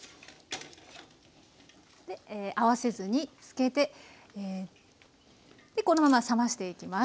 合わせ酢につけてこのまま冷ましていきます。